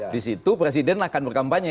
di situ presiden akan berkampanye